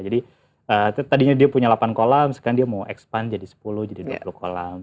jadi tadinya dia punya delapan kolam sekarang dia mau expand jadi sepuluh jadi dua puluh kolam